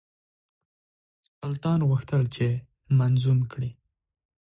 سلطان غوښتل چې منظوم کړي.